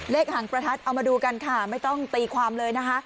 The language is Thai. หางประทัดเอามาดูกันค่ะไม่ต้องตีความเลยนะคะ